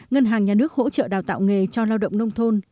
ngân hàng nhà nước hỗ trợ đào tạo nghề cho lao động nông thôn